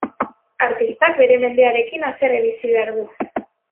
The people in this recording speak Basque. Artistak bere mendearekin haserre bizi behar du.